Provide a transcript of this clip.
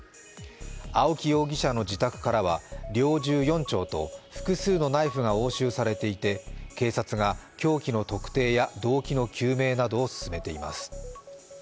青木容疑者の自宅からは猟銃４丁と複数のナイフが押収されていて警察が凶器の特定や動機の究明などを進めています。